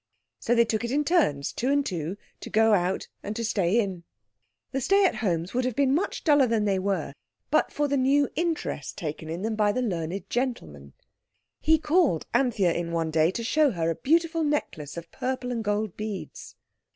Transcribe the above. So they took it in turns, two and two, to go out and to stay in. The stay at homes would have been much duller than they were but for the new interest taken in them by the learned gentleman. He called Anthea in one day to show her a beautiful necklace of purple and gold beads.